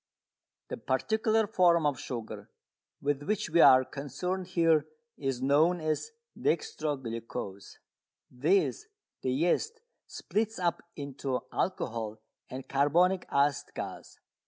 The particular form of sugar with which we are concerned here is known as "dextro glucose." This the yeast splits up into alcohol and carbonic acid gas.